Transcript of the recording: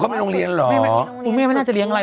เขามีโรงเรียนเหรออุ้นแม่ไม่น่าจะเลี้ยงอะไร